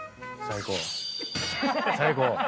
最高？